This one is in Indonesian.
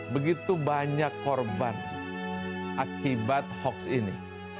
begitu banyak korban akibat hoax ini